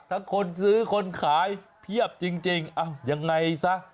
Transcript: คนซื้อคนขายเพียบจริงยังไงซะ